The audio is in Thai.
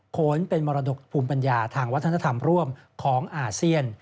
โขนเป็นมรดกภูมิปัญญาทางวัฒนธรรมร่วมของอาเซียน